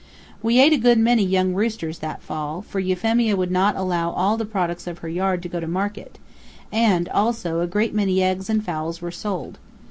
We ate a good many young roosters that fall, for Euphemia would not allow all the products of her yard to go to market, and, also, a great many eggs and fowls were sold.